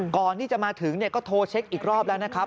ก่อนที่จะมาถึงก็โทรเช็คอีกรอบแล้วนะครับ